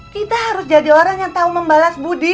kita harus jadi orang yang tahu membalas budi